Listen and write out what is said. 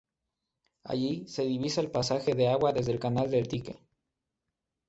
Allí se divisa el pase de agua desde el Canal del Dique.